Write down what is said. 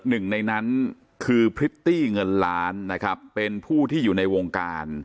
หนึ่งในนั้นคือพริตตี้เงินล้านนะครับเป็นผู้ที่อยู่ในวงการ